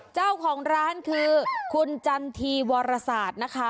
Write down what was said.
เจ้าของร้านคือคุณจันทีวรศาสตร์นะคะ